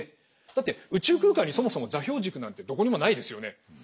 だって宇宙空間にそもそも座標軸なんてどこにもないですよね。